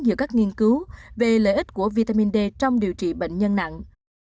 giữa các nghiên cứu về lợi ích của vitamin d trong điều trị bệnh nhân nặng